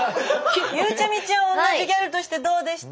ゆうちゃみちゃんは同じギャルとしてどうでした？